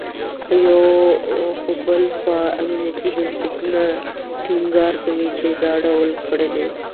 خو بل خوا امنیتي بنسټونه ټینګار کوي، چې دا ډول کړنې …